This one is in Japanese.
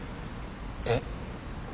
えっ？